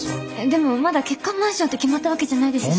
でもまだ欠陥マンションって決まったわけじゃないですし。